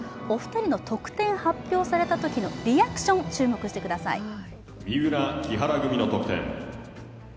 お二人の得点発表されたときのリアクション、注目してみてください。